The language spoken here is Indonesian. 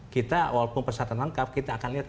kita walaupun persyaratan lengkap kita akan lihat